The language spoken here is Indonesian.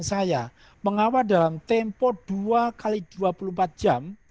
saya mengawal dalam tempo dua x dua puluh empat jam